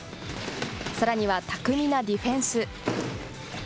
さらには巧みなディフェンス。